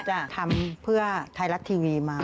จะทำเพื่อไทยรัฐทีวีมา